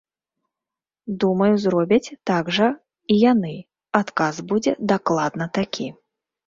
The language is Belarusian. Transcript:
Думаю, зробяць так жа і яны, адказ будзе дакладна такі.